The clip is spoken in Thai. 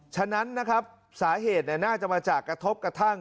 ฉะนั้นนะครับสาเหตุน่าจะมาจากกระทบกระทั่ง